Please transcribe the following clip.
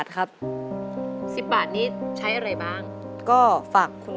กินข้าวยังไง